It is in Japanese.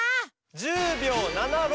１０秒７６！